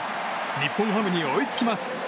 日本ハムに追いつきます。